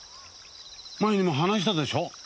前にも話したでしょう。